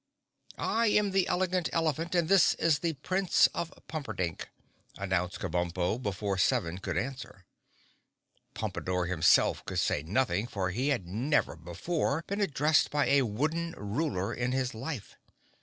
"I am the Elegant Elephant and this is the Prince of Pumperdink," announced Kabumpo before Seven could answer. Pompadore, himself, could say nothing for he had never before been addressed by a wooden Ruler in his life.